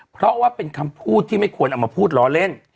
เพราะว่าเป็นคำพูดที่ไม่ควรเอามาพูดล้อเล่น